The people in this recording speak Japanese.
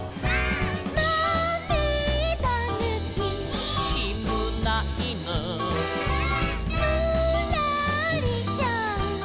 「まめだぬき」「」「きむないぬ」「」「ぬらりひょん」